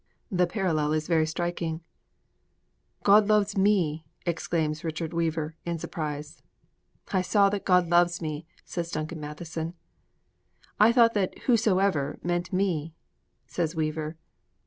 The parallel is very striking. 'God loves me!' exclaims Richard Weaver, in surprise. 'I saw that God loves me!' says Duncan Matheson. 'I thought that "whosoever" meant "me"' says Weaver.